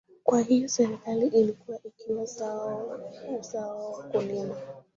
Kwa hiyo Serikali ilikuwa ikiwa usawa wakulima